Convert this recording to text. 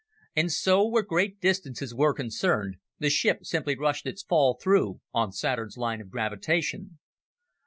And so, where great distances were concerned, the ship simply rushed its fall through on Saturn's line of gravitation.